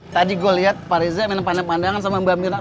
tadi gue lihat pak reza main pandang pandangan sama mbak mira